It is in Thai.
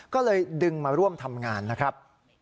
ก็เลยดึงมาร่วมทำงานนะครับ